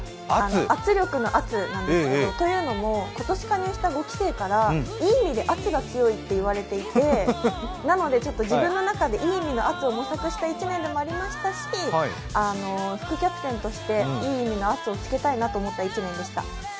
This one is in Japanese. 圧力の圧なんですけれどもというのも、今年加入した５期生からいい意味で圧が強いって言われていてなので自分の中でいい意味の圧を模索した１年でもありましたし副キャプテンとしていい意味の圧をつけたいと思った１年でした。